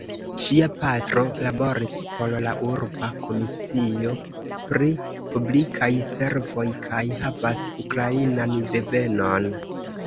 Ŝia patro laboris por la urba Komisio pri Publikaj Servoj kaj havas ukrainan devenon.